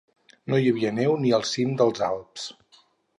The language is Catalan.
No hi havia neu ni al cim dels Alps.